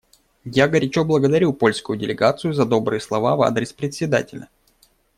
Я горячо благодарю польскую делегацию за добрые слова в адрес Председателя.